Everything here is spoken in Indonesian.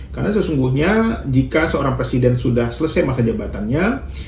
karena sesungguhnya jika seorang presiden sudah selesai masa jabatannya